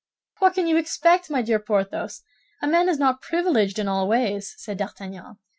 "What can you expect, my dear Porthos; a man is not privileged in all ways," said D'Artagnan.